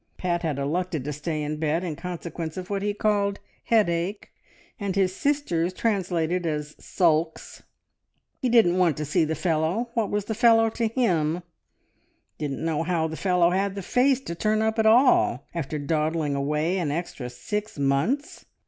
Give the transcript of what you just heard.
Pat had elected to stay in bed, in consequence of what he called headache and his sisters translated as "sulks." He didn't want to see the fellow. ... What was the fellow to him? Didn't know how the fellow had the face to turn up at all, after dawdling away an extra six months.